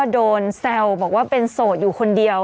แซวบอกว่าเป็นโสดอยู่คนเดียว